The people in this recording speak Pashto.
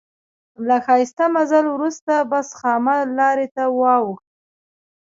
له ښایسته مزل وروسته بس خامه لارې ته واوښت.